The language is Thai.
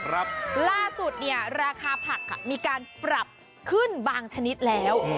ล่าสุดเนี่ยราคาผักมีการปรับขึ้นบางชนิดแล้ว